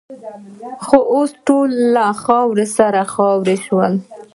خو اوس ټول له خاورو سره خاوروې شول.